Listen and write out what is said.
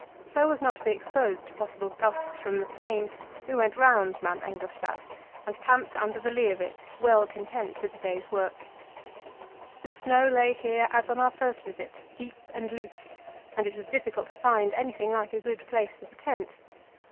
So as not to be exposed to possible gusts from the plain, we went round Mount Engelstad and camped under the lee of it, well content with the day's work. The snow lay here as on our first visit, deep and loose, and it was difficult to find anything like a good place for the tent.